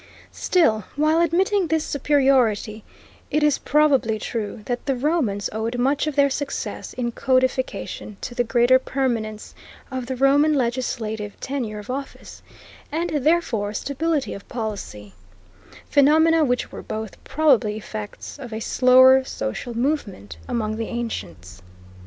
Still, while admitting this superiority, it is probably true that the Romans owed much of their success in codification to the greater permanence of the Roman legislative tenure of office, and, therefore, stability of policy, phenomena which were both probably effects of a slower social movement among the ancients.